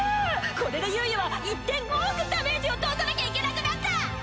これでユウユは一点多くダメージを通さなきゃいけなくなった！